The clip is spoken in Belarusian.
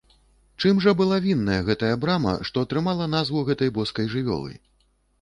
Чым жа была вінная гэтая брама, што атрымала назву гэтай боскай жывёлы?